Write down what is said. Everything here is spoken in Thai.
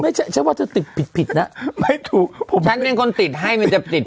ฉันว่าเธอติดผิดผิดนะไม่ถูกผมฉันเป็นคนติดให้มันจะติด